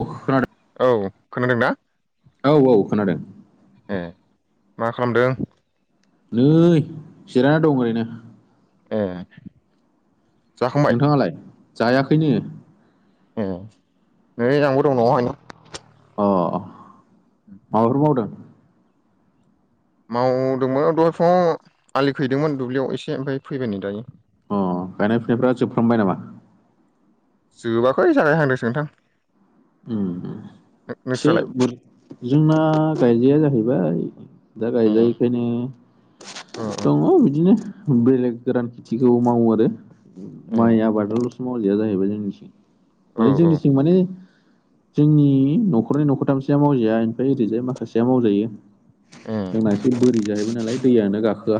अ खोनादों औ खोनादोंना? औ औ खोनादों ए मा खालामदों? नै जिरायना दं ओरैनो। ए जाखांबाय नोंथाङालाय जायाखैनो। ए नै आंबो दं न'हायनो। अ माबाफोर मावदों? मावदोंमोन दहाय फुङाव आलि खैदोंमोन दुब्लियाव एसे ओमफ्राय फैबायानो दायो। अ गायनाय फुनायफ्रा जोबफ्रांबाय नामा? जोबाखै जागायहांदोंसो नोंथां। ओम एसे नोंस्रालाय जोंना गायजाया जाहैबाय। दा ए गायजायैखायनो ओ ओ दङ बिदिनो। बेलेग गोरान खेथिखौ मावो आरो ए माइ आबादाल'सो मावजाया जाहैबाय जोंनिथिं। औ माने औ जोंनिथिं माने जोंनि न'खरनि न'खरथामसेया मावजाया ओमफ्राय ओरैजाय माखासेया मावजायो। ए जोंना एसे बोरि जाहैबाय नालाय दैयानो गाखोआ।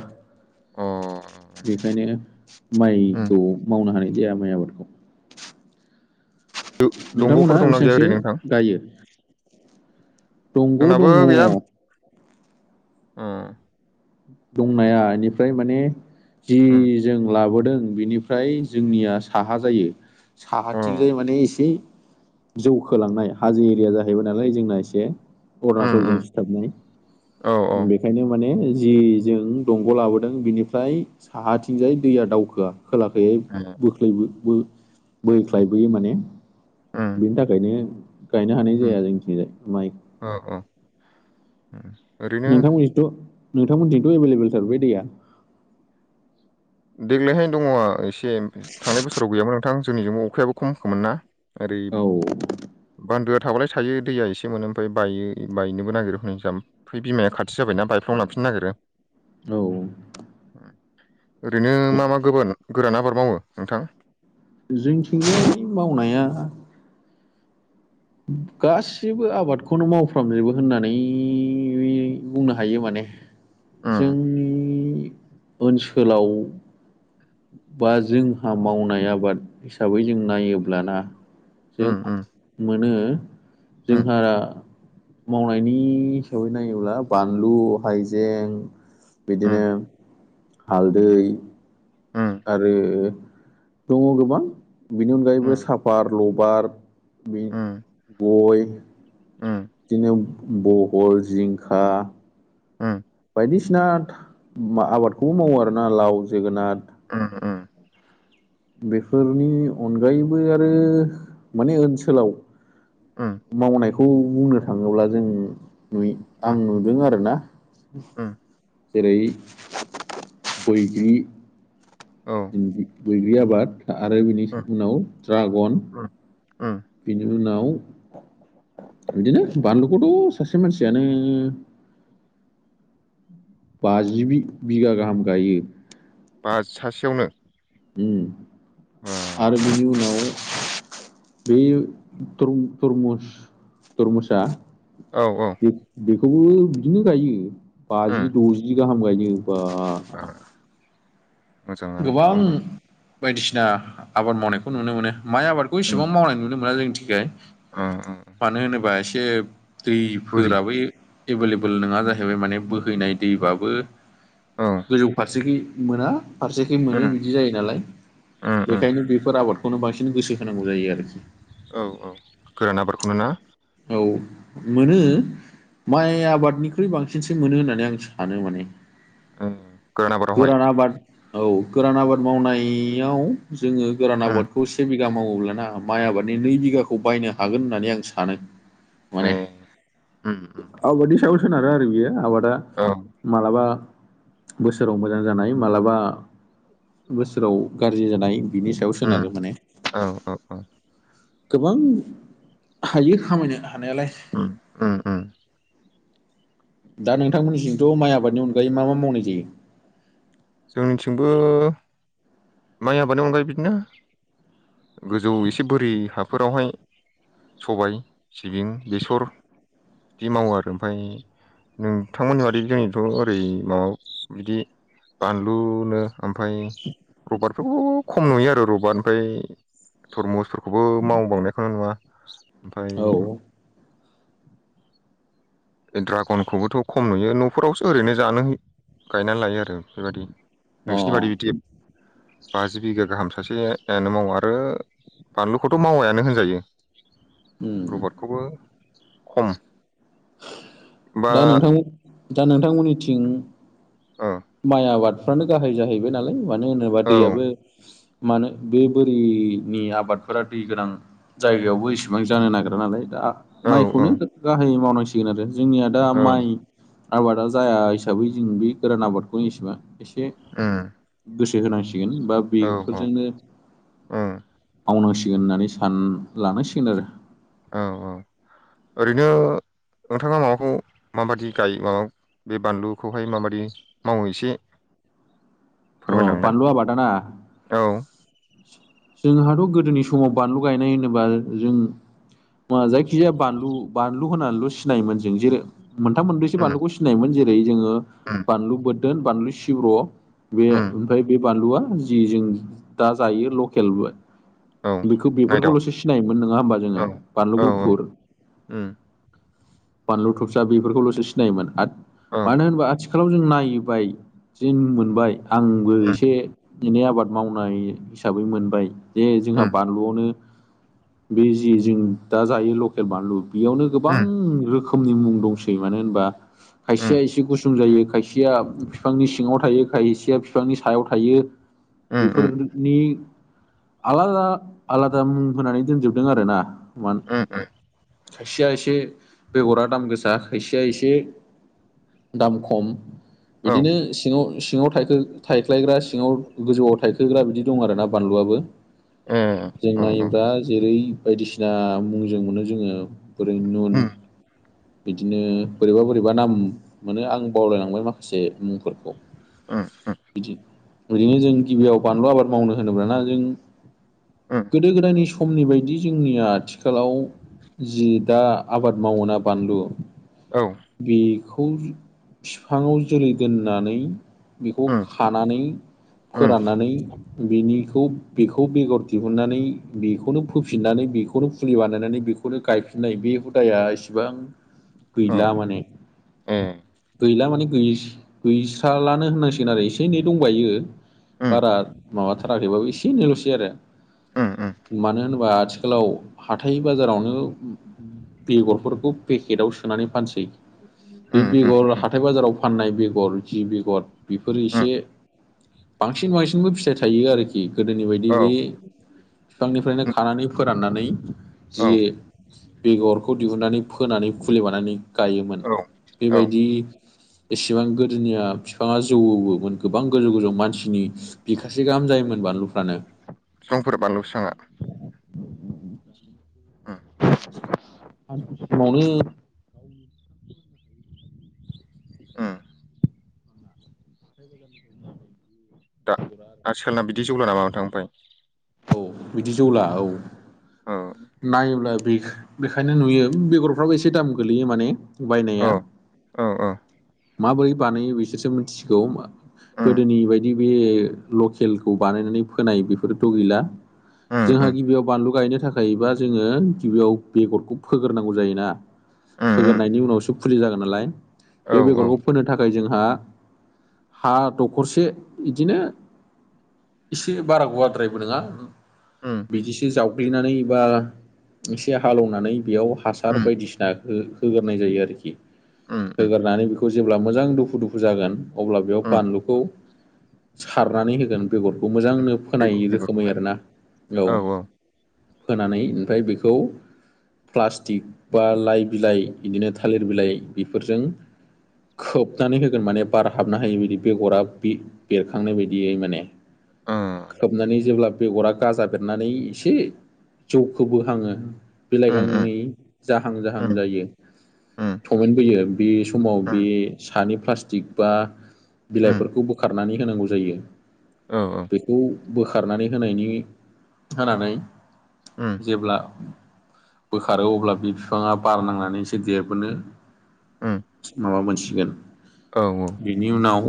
अ बेखायनो उम माइखौ मावनो हानाय [unintelligible] गियान माय आबाद खौ दंग'फोर नोंथांमोनहा दंना गैया बेसेबांसो ओरैनो नोंथां गायो? दंग' दङ। ओ दंनाया बेनिफ्राय माने जि उम जों लाबो दों बेनिफ्राय जोंनिया साहा जायो अ साहाथिंजाय माने एसे जौखोलांनाय हाजो एरिया जाहैबाय नालाय जोंना एसे। उम उम अरुणाचलजों सिथाबनाय औ औ बेखायनो माने जि जों दंग' लाबोदों बिनिफ्राय साहाथिंजाय दैया दावखोआ। खोलाखैयै उम बोख्लै बोख्लायबोयो माने। बेनि थाखायनो गायनो हानाय जाया जोंनिथिंजाय माय ओम नोंथांमोनिथ' नोंथांमोनिथिंथ' एभेलेबेलथार बे दैया? देग्लायहायनो दङ एसे थांनाय बोसोराव गैयामोन नोंथां जोंनिजोंबो अखायाबो खमखामोन ना। ओरै औ। बान्दोआ थाबालाय थायो दैया एसे मोनो ओमफाय बायो बायनोबो नागिरो हनै जाम फै बिमाया खाथि जाबायना बाय फ्लं लांफिनो नागिरो। औ ओम ओरैनो मा मा गोबान गोरान आबाद मावो नोंथां? जोंथिंजाय मावनाया गासिबो आबादखौनो मावफ्रामजोबो होननानै बुंनो हायो माने। उम जोंनि ओनसोलाव बा जोंहा मावनाय आबाद हिसाबै जों नायोब्लाना जों उम आ उम मोनो जोंहारा माव मानि हिसाबै नायोब्ला बानलु हाइजें बिदिनो उम हालदै उम आरो दङ' गोबां बेनि अनगायैबो उम साफार लबार बे उम गय उम दिनो बहल जिंखा उम बायदिसिना था मा आबादखौबो मावो आरोना लाव जोगोनाद उम उम बेफोरनि अनगायैबो आरो माने ओनसोलाव उम मावनाय खौ बुंनो थाङोब्ला जों नुय उम आं नुदों आरोना उम जेरै बोइग्रि औ बैग्रि बैग्रि आबाद आरो बिनि उम उनाव ड्रागन उम उम बिनि उनाव इदिनो बानलुखौथ' सासे मानसियानो बाजि बि-बिगा गाहाम गायो। बाज सासेयावनो उम आरो बिनि उनाव बियो तर-तरमुस तरमुसा औ औ बे-बेखौबो बिदिनो गायो उम बाजि द'जि गाहाम गायो। बा हा मोजाङानो थ' होमबा। बायदिसिना आबाद मावनायखौ नुनो मोनो माइ आबादखौ उम इसेबां मावनाय नुनो मोना जोंनि थिखाय। ओ ओ मानो होनोबा एसे बोरि दैफोराबै एभेलेबोल नोङा जाहैबाय माने बोहैनाय दैबाबो औ गोजौफारसेखि मोना फारसेखै उम मोनो बिदि जायो नालाय उम उम बेखायनो बेफोर आबादखौनो बांसि सिन गोसो होनांगौ जायो आरोखि। औ औ गोरान आबादखौनो ना औ मोनो उम माइ आबादनिख्रुइ बांसिनसो मोनो होननानै आं सानो माने। उम आबादावहाय गोरान आबाद औ गोरान आबाद मावनायाव जोङो गोरान उम आबादखौ सेबि गा मावोब्लाना माइ आबादनि नै बिगाखौ बायनो हागोन होननानै आं सानो। ए माने उम उम आबादनि साव सोनारो आरो बियो आबाद दा औ मालाबा बोसोराव मोजां जानाय मालाबा बोसोराव गारजि जानाय बिनि सायाव उम सोनारो माने। औ औ गोबां हायो खामायनो हानायालाय। उम उम उम दा नोंथांमोननिसिमथ' माइ आबादनि अनगायै मा मा मावनाय जायो? जोंथिंबो माइ आबादनि अनगायै बिदिनो गोजौ एसे बोरि हाफोरावहाय सबाय सिबिं बेसर दि मावो आरो ओमफाय नोंथांमोननि बादि जोंनिथ' ओरै माबा बिदि बानलुनो ओमफाय रबार फोरखौ खम नुयो आरो रबार ओमफ्राय थरमुसफोरखौबो मावबांनायखौनो नुवा ओमफाय औ ओ ड्रागनखौबोथ' खम नुयो न'फोरावसो ओरैनो जानो गायनानै लायो आरो बेबायदि अ नोंसिनि बादि बिदि बाजि बिगा गाहाम सासेयानो मावा आरो बानलुखौथ' मावायानो होनजायो उम रबटखौबो खम बा दा नोंथां दा नोंथांमोननिथिं औ माइ आबाद फ्रानो गाहाय जाहैबाय नालाय मानो होनोबा औ दैयाबो मानो बे बोरि नि आबादफोरा दै गोनां जायगायावबो एसेबां जानो नागेरा नालाय। दा औ औ माइखौनो गाहायै मावनांसिगोन आरो जोंनिया दा औ माइ। आबादा जाया हिसाबै जों बे गोरान आबादखौ एसेबां एसे उम गोसो होनांसि। दिगोन बा औ औ बेफोरजोंनो उम मावनांसि। सिगोन होननानै सान लानांसिगोन आरो। औ-औ ओरैनो। नोंथाङा माबाखौ माबादि गायो? माबा बे बानलुखौहाय माबादि मावो एसे। अ फोरमायलांलाय बानलु आबादाना? औ जोंहाथ' गोदोनि समाव बानलु गायनाय होनोबा जों। मुवा जायखिजाया बानलु-बानलु होननानैल' सिनायोमोन जों जेरै मोनथाम, मोनब्रैसो उम बानलुखौ सिनायोमोन जे। जोङो उम बानलु बोदोन, बानलु सिब्र बे उम ओमफ्राय बे। बानलुआ जि जों दा जायो लकेलबो। औ बेखो‌ नायदाव बेफोरखौल'सो सिनायोमोन नोङा होमबा जोङो? बानलु गुफुर। ओम। बानलु थबसा बेफोरखौल'सो सिनायोमोन आद औ मानो उम होनबा आथि। खालाव जों नायबाय जिन मोनबाय आंबो इसे। एनै आबाद मावनाय हिसाबै मोनबाय जे उम जोंहा बानलुआवनो। बे जि जों दा जायो लकेल बानलु बेयावनो गोबां उम रोखो। खोमनि मुं दंसै मानो होनबा। खायसेया उम एसे गुसुं जायो खायसेया बिफांनि सिङाव थायो खाय। सेया फिफांनि सायाव थायो उम उम बेफोरनि आलादा। आलादा मुं होनानै दोनजोबदों आरोना। मानो ओम-ओम। खायसेया एसे बेगरा दाम गोसा खायसेया एसे। दाम खम औ बिदिनो सिङाव-सिङाव थाइ। थायख्लायग्रा सिङाव, गोजौआव थाइखोग्रा बिदि दं आरो ना बानलुआबो। ए जों औ औ नायोब्ला जेरै बायदिसिना मुंजों मोनो जोङो। ओरै नुन। उम बिदिनो बोरैबा-बोरैबा नाम मोनो आं बावलायलांबाय माखासे मुंफोरखौ। उम उम बिदि ओरैनो जों गिबियाव बानलु आबाद मावनो होनोबाना जों। उम गोदो-गोदायनि समनि बायदि जोंनिया आथिखालाव जि। दा आबाद मावोना बानलु औ बे। खौ फिफाङाव जोलै दोननानै। बेखौ उम खानानै उम फोराननानै बेनिखौ। बेखौ बेगर दिहुननानै बेखौनो फोफिननानै बेखौनो फुलि बानायनानै बेखौनो गायफिनलाय बे। बे हुदाया इसिबां। औ गैला माने, ए गैला माने गैस गैस्रा। लानो होननांसिगोन आरो एसे-एनै दंबायो उम बारा माबाथाराखैबाबो इसे एनैल'स। आरो उम उम मानो होनोबा आथिखालाव हाथाइ- बाजारावनो। बेगरफोरखौ पेकेटाव सोनानै फानसै। उम उम बे-बेगर उम हाथाइ-बाजाराव फाननाय बेगर जि बेगर। बेफोरो एसे उम बांसिन-बांसिनबो फिथाइ थायो आरोखि। गोदोनि बायदि औ बे। बिफांनिफ्रायनो खानानै फोराननानै जि। औ बेगरखौ दिहुनन्नानै फोनानै फुलि बानायनानै गायोमोन औ औ बेबायदि। एसेबां गोदोनिया आब। बिफाङा जौवोमोन गोबां गोजौ-गोजौ मानसिनि बिखासे गाहाम जायोमोन बानलुफ्रानो। समफोर बानलु सङा। उम सान समावनो। ओ। दा आथिखाना बिदि जौला नामा नोंथां ओमफाय? औ बिदि जौला औ। औ नायोब्ला बेख बेखायनो नुयो बेगरफ्राबो एसे दाम गोलैयो माने। बायनाया औ औ औ माबोरै बानायो बिसोरसो मिथिसिगौ। उम गोदोनि बायदि बे लकेलखौ बानायनानै फोनाय बेफोरथ' गैला। उम जोंहा उम गिबियाव बानलु गायनो गायोबा जोङो गिबियाव बेगरखौ फोग्रोनांगौ जायोना। उम उम फोगोरनायनि उनावसो फुलि जागोन नालाय औ बे औ बेगरखौ फोनो थाखाय जोङो जोंहा हा दखरसे बिदिनो एसे बारा गवाद्रायबो नङा उम बिदिसो जावग्लिनानै बा एसे हालेवनानै बेयाव हासार उम बायदिसिना होगोरनाय जायो आरोखि उम उम होगोरनानै बेखौ खौ जेब्ला मोजां दुफु दुफु जागोन अब्ला बेयाव उम बानलुखौ सारनानै होगोन। बेगरखौ मोजांनो बेगर फोनायि रोखोमै बेगरखौहाय आरोना औ। फोनानै ओमफ्राय बेखौ प्लास्टिक बा लाइ बिलाइ बिदिनो थालिर बिलाइ बेफोरजों खोबनानै होगोन माने बार हाबनो हायि बायदि बेगरा बेरखांनाय बायदियै माने। उम खोबनानै जेब्ला बेगरा गाजा बेरनानै एसे जौखोबो हाङो बिलाइ उम गांनै जाहां जाहां उम जायो उम थमेन्टबोयो बे समाव उम बे सानि प्लास्टिक बा उम बिलाइफोरखौ बोखारनानै होनांगौ जायो औ बेखौ बोखारनानै होनायनि होनानै उम जेब्ला बोखारो अब्ला बि बिफाङा बार नांनानै एसो देबोनो उम माबा मोनसिगोन औ बेनि उनाव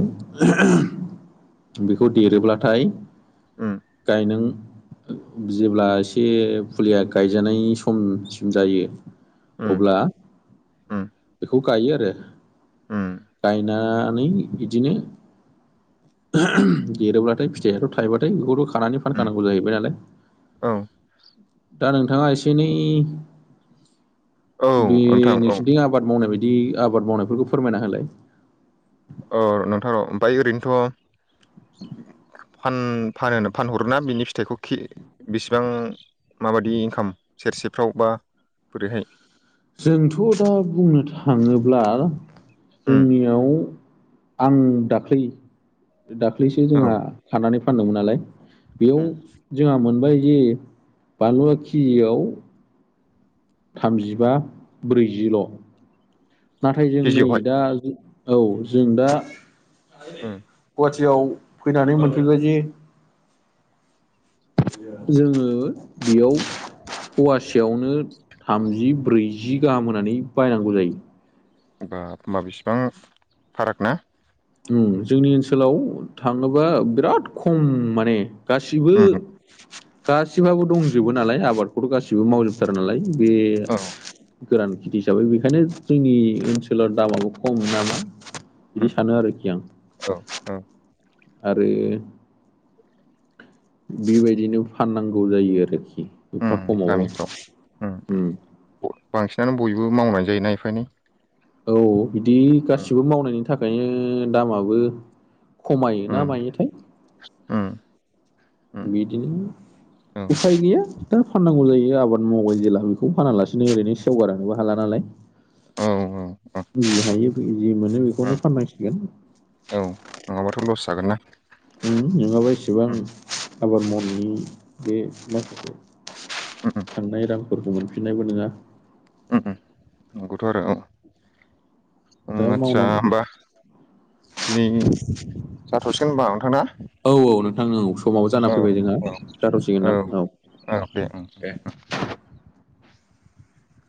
बेखौ देरोब्लाथाय उम गायनों जेब्ला एसे फुलिया गायजानायनि समसिम जायो। उम अब्ला उम बेखौ गायो आरो उम गायना नै बिदिनो देरोब्लाथाय फिथाइथ' थायोबाथाय बेखौथ' खानानै उम फानखानांगौ जाहैबाय नालाय। औ दा नोंथाङा एसे एनै औ बे नोंथां औ नोंसोरथि आब मावनाय बायदि आबाद मावनायफोरखौ फोरमायना होलाय। अ नोंथां र ओमफ्राय ओरैनोथ' फान फानहो फानहरोना बिनि फिथाइखौ कि बेसेबां माबादि इनकाम सेरसेफ्राव बा बोरैहाय? जोंथ' दा बुंनो थाङोब्ला उम जोंनियाव आं दाख्लै दाख्लैसो औ जोंहा खानानै फानदोंमोन नालाय। बेयाव उम जोंहा मोनबाय जे बानलुवा खेजियाव थामजिबा ब्रैजिल' नाथाय जों नै केजियावहाय दा औ जों दा उम गुहाटा याव फैनानै मोनफैबायजि जोङो बेयाव फवासेयावनो थामजि ब्रैजि गाहाम होनानै बायनांगौ जायो। बाब ओनबा बेसेबां फाराग ना? उम्म जोंनि ओनसोलाव थाङोबा बिराद खम माने गासिबो उम गासिबाबो दंजोबो नालाय आबादखौथ' गासिबो मावजोबथारो नालाय। बे औ गोरान खेथि हिसाबै बेखायनो जोंनि ओनसोलाव दामाबो खम नामा बिदि उम सानो उम आरोखि आं। औ औ आरो बेबायदिनो फाननांगौ जायो आरोखि एफा उम खमा बो गामिफ्राव उम बांसिनानो बयबो मावनाय जायोना एफा एनै औ बिदि उम गाससिबो मावनायनि थाखायनो दामाबो खमायो ना उम मायोथाय उम उम बिदिनो औ उफाय गैया दा फाननांगौ जायो बे आबाद मावबाय जेला बेखौ फानालासिनो ओरैनो सेवगारानोबो हाला नालाय औ औ बुंनो हायोब उम औ नङाबाथ' लस जागोन ना उम नङाबा एसेबां उम आबाद मावनायनि बे माखासे उम थांनाय रांफोरखौ मोनफिननायबो नङा हम हम नंगौथोआरो औ दा उमआस्सा मावनांगौ होमबा दिनै जाथ'सिगोन होनबा नोंथां ना औ औ नोंथां औ समाव औ जाना फैबाय जोंहा जाथ'सिगोनदां औ औ दे उम उम [unintelligible]